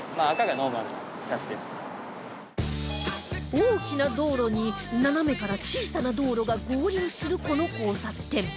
大きな道路に斜めから小さな道路が合流するこの交差点